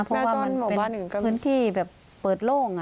เพราะว่ามันเป็นพื้นที่แบบเปิดโล่ง